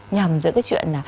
nhầm giữa cái chuyện là